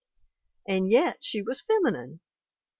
And yet she was feminine.